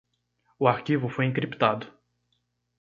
O arquivo foi encriptado